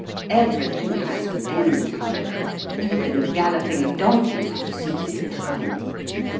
Everything has au end, however ; even the galloping of donkeys will cease in time.